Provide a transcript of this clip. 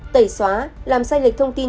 tẩy xóa làm sai lệch thông tin